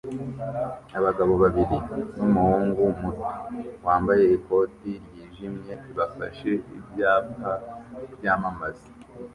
Abagabo babiri numuhungu muto wambaye ikoti ryijimye bafashe ibyapa byamamaza